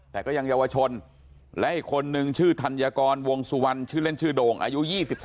แต่ก็ยังเยาวชนและอีกคนนึงชื่อธัญกรวงสุวรรณชื่อเล่นชื่อโด่งอายุ๒๓